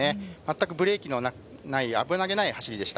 ブレーキのない、危なげない走りでした。